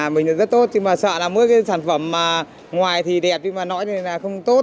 mình là rất tốt nhưng mà sợ là mua cái sản phẩm ngoài thì đẹp nhưng mà nỗi này là không tốt